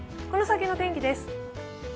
この先の天気です。